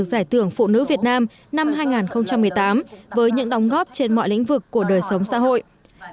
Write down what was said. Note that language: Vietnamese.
giải thưởng phụ nữ việt nam năm hai nghìn một mươi tám với những đóng góp trên mọi lĩnh vực của đời sống xã hội